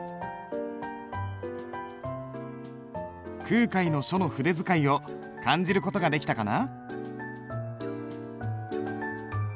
空海の書の筆使いを感じる事ができたかな？